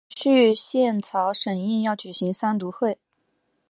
按程序宪草审议要举行三读会。